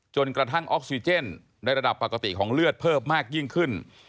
จนกระทั่งออกซิเจนในระดับปกติของเลือดเพิ่มมากยิ่งขึ้น